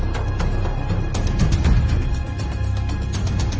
รีวิจัยหรืออย่างไรที่จะรับทราบ